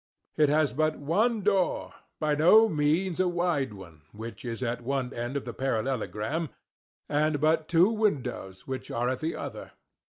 It has but one door—by no means a wide one—which is at one end of the parallelogram, and but two windows, which are at the other.